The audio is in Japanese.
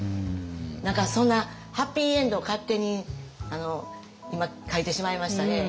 何かそんなハッピーエンドを勝手に今書いてしまいましたね。